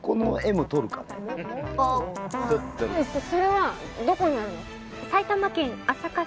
ボクそれはどこにあるの？